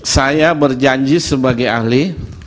saya berjanji sebagai ahli